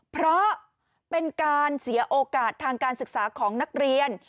เพราะเป็นการเสียโอกาสทางการศึกษาของนักเรียน